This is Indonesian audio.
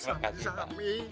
sama sama pak haji